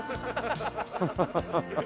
ハハハハハ。